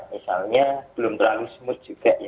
misalnya belum terlalu smooth juga ya